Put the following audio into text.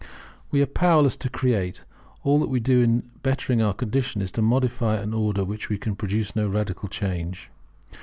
We are powerless to create: all that we can do in bettering our condition is to modify an order in which we can produce no radical change.